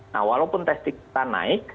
nah walaupun testing kita naik